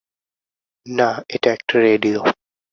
না, এটা একটা রেডিও।